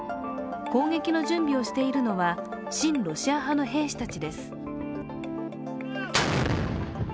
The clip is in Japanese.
攻撃の準備をしているのは、親ロシア派の兵士たちです。